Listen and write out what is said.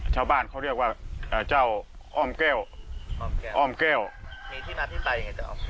ชาวบ้านเขาเรียกว่าเอ่อเจ้าออมเกลออมเกลออมเกลมีที่มาที่ใบยังไง